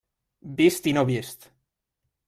Vist i no vist.